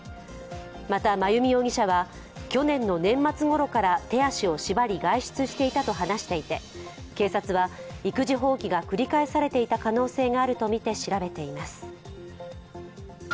また、真由美容疑者は去年の年末ごろから手足を縛り、外出していたと話していて、警察は育児放棄が繰り返されていた可能性があるとみて調べています。